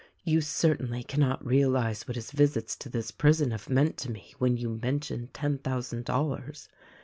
You, certainly, cannot realize what his visits to this prison have meant to me, when you mention ten thou sand dollars.